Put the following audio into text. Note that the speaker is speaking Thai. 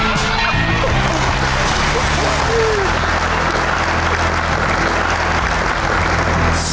จะทำเวลาไหมครับเนี่ย